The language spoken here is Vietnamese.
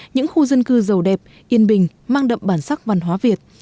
những khu dân cư giàu đẹp yên bình mang đậm bản sắc văn hóa việt